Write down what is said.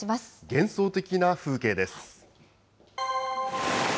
幻想的な風景です。